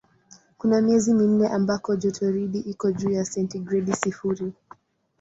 Kuna miezi minne ambako jotoridi iko juu ya sentigredi sifuri.